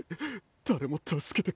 誰も助けてくれない。